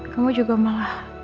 kamu juga malah